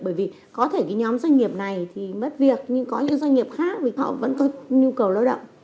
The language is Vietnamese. bởi vì có thể cái nhóm doanh nghiệp này thì mất việc nhưng có những doanh nghiệp khác vì họ vẫn có nhu cầu lao động